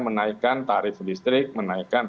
menaikkan tarif listrik menaikkan